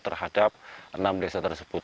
terhadap enam desa tersebut